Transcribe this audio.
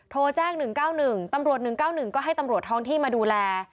โทรแจ้ง๑๙๑ตำรวจ๑๙๑ก็ให้ตำรวจท้องที่มาดูแล